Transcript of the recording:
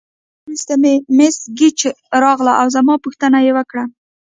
یوه شیبه وروسته مس ګیج راغله او زما پوښتنه یې وکړه.